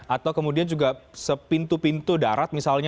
atau kemudian juga sepintu pintu darat misalnya